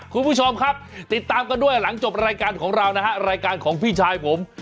คุณผู้ชมครับติดตามกันด้วยหลังจบรายการของเรานะฮะรายการของพี่ชายผม